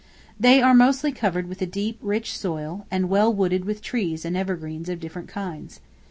They are mostly covered with a deep rich soil, and well wooded with trees and evergreens of different kinds.